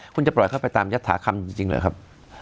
คุณจะปล่อยเข้าไปตามยัตถาคำจริงเหรอครับ